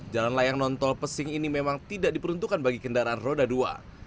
jalan layang nontol pesing ini memang tidak diperuntukkan bagi kendaraan roda dua